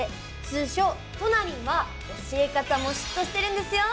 通称トナりんは教え方もシュッとしてるんですよ！